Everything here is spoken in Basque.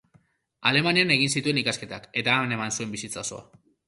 Alemanian egin zituen ikasketak, eta han eman zuen bizitza osoa.